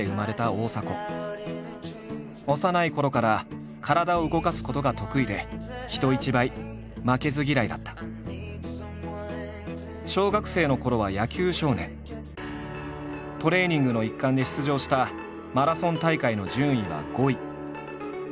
幼いころから体を動かすことが得意で人一倍小学生のころはトレーニングの一環で出場したマラソン大会の順位は５位。